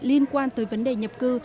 liên quan tới vấn đề nhập cư